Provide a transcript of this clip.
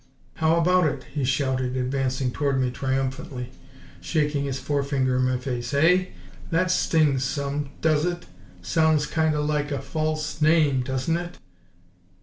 "How about it?" he shouted, advancing toward me triumphantly, shaking his forefinger in my face. "Hey? THAT stings some, does it? Sounds kind o' like a FALSE name, does it?